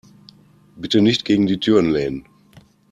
Bitte nicht gegen die Türen lehnen.